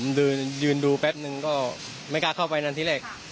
ผมยืนดูแป๊บนึงก็ไม่กล้าเข้าไปนั่นที่แรก